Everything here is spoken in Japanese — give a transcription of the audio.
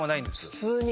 普通に？